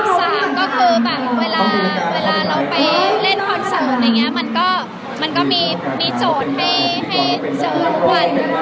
สามก็คือเวลาเราเราไปเล่นคอนเสิร์ตมันก็มีโจทย์ให้เจอกัน